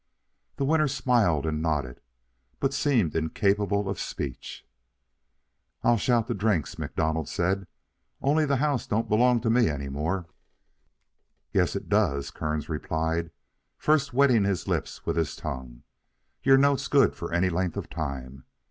The winner smiled and nodded, but seemed incapable of speech. "I'd shout the drinks," MacDonald said, "only the house don't belong to me any more." "Yes, it does," Kearns replied, first wetting his lips with his tongue. "Your note's good for any length of time.